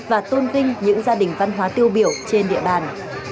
và tôn vinh những gia đình văn hóa tiêu biểu trên địa bàn